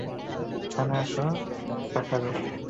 এখানে রাখো, সে এটা খাবে।